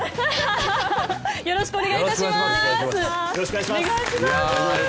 よろしくお願いします。